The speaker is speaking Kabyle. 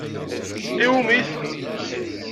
Iwwumi-t?